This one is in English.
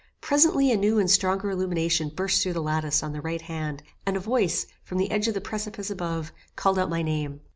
Presently a new and stronger illumination burst through the lattice on the right hand, and a voice, from the edge of the precipice above, called out my name.